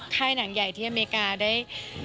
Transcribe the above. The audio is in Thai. ค่ายหนังใหญ่ที่อเมริกาได้